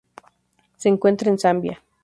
Se encuentra en Zambia.